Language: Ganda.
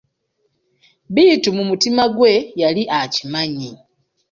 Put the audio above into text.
Bittu mu mutima gwe yali akimanyi.